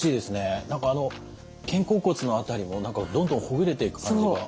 何かあの肩甲骨の辺りも何かどんどんほぐれていく感じが。